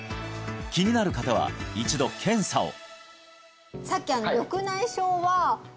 気になる方は一度検査を！